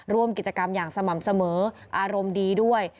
ร่วมกิจกรรมอย่างสม่ำเสมออารมณ์ดีด้วย